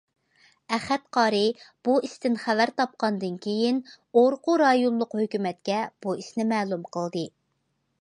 ئەخەت قارى بۇ ئىشتىن خەۋەر تاپقاندىن كېيىن، ئورقۇ رايونلۇق ھۆكۈمەتكە بۇ ئىشنى مەلۇم قىلدى.